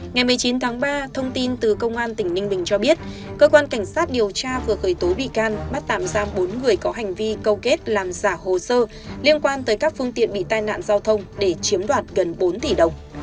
ngày một mươi chín tháng ba thông tin từ công an tỉnh ninh bình cho biết cơ quan cảnh sát điều tra vừa khởi tố bị can bắt tạm giam bốn người có hành vi câu kết làm giả hồ sơ liên quan tới các phương tiện bị tai nạn giao thông để chiếm đoạt gần bốn tỷ đồng